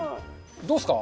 どうっすか？